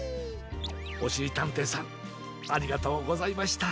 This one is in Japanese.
おしりたんていさんありがとうございました。